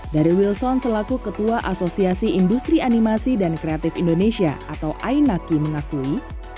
dari wilson selaku ketua asosiasi industri animasi dan kreatif indonesia atau ainaki mengakui